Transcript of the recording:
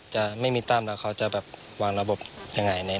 จะไม่มีตั้มแล้วเขาจะแบบวางระบบยังไง